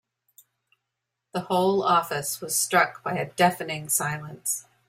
The whole office was struck by a deafening silence.